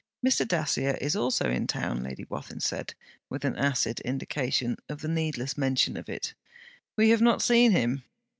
'Mr. Dacier is also in town,' Lady Wathin said, with an acid indication of the needless mention of it. 'We have not seen him.'